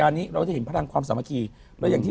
มาโผล่ให้เห็นเนี่ย